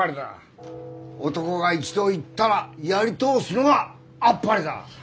男が一度言ったらやり通すのがあっぱれだ！